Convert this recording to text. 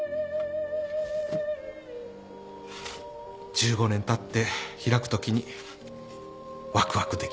１５年たって開くときにわくわくできるように。